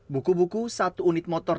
buku buku satu unit motor